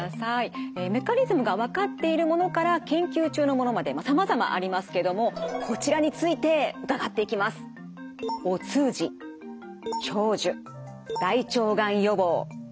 メカニズムが分かっているものから研究中のものまでさまざまありますけれどもこちらについて伺っていきます。